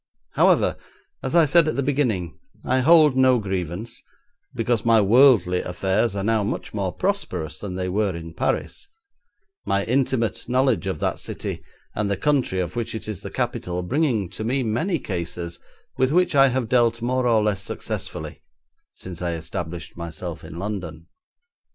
However, as I said at the beginning, I hold no grievance, because my worldly affairs are now much more prosperous than they were in Paris, my intimate knowledge of that city and the country of which it is the capital bringing to me many cases with which I have dealt more or less successfully since I established myself in London.